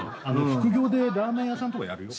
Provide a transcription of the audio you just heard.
副業でラーメン屋さんとかやるよ。